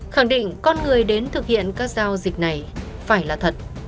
khẳng định con người đến thực hiện các giao dịch này phải là thật